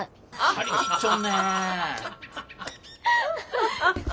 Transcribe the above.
張り切っちょんねえ。